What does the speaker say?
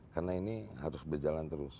karena ini harus berjalan terus